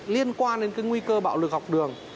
liên quan đến cái nguy cơ bạo lực học đường